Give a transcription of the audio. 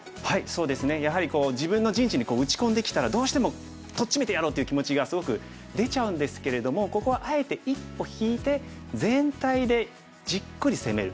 そうですねやはり自分の陣地に打ち込んできたらどうしてもとっちめてやろうっていう気持ちがすごく出ちゃうんですけれどもここはあえて一歩引いて全体でじっくり攻める。